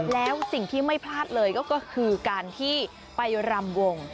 แล้วสิ่งที่ไม่พลาดเลยก็คือการที่ไปรำวง